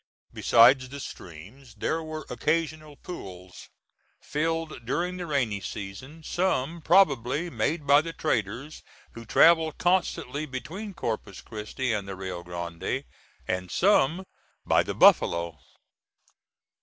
Besides the streams, there were occasional pools, filled during the rainy season, some probably made by the traders, who travelled constantly between Corpus Christi and the Rio Grande, and some by the buffalo.